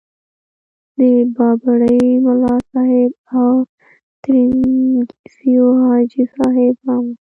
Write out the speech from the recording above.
د بابړي ملاصاحب او ترنګزیو حاجي صاحب هم وو.